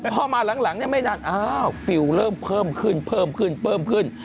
พอมาหลังไม่นานฟิลล์เริ่มเพิ่มขึ้นเพิ่มขึ้น